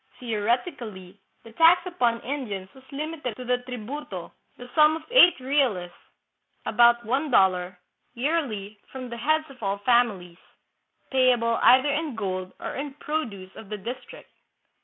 Theoretically, the tax upon Indians was limited to the " tribute," the sum of eight reales (about one dollar) yearly from the heads of all families, payable either in gold or in produce of the district.